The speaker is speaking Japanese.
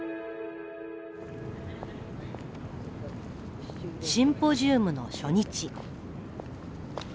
シンポジウムの初日。